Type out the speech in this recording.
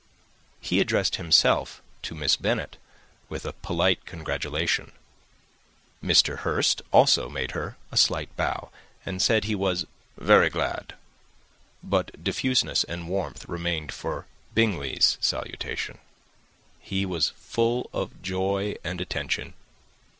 He addressed himself directly to Miss Bennet with a polite congratulation; Mr. Hurst also made her a slight bow, and said he was "very glad;" but diffuseness and warmth remained for Bingley's salutation. He was full of joy and attention.